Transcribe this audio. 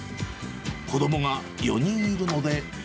子どもが４人いるので。